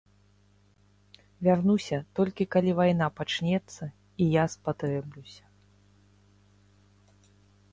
Вярнуся, толькі калі вайна пачнецца, і я спатрэблюся.